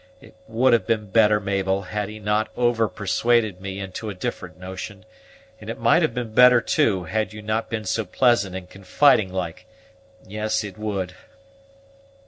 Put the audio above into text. It would have been better, Mabel, had he not over persuaded me into a different notion; and it might have been better, too, had you not been so pleasant and confiding like; yes, it would."